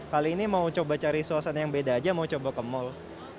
kali ini mau coba cari suasana yang beda aja mau coba ke mall